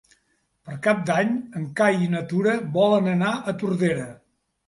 Per Cap d'Any en Cai i na Tura volen anar a Tordera.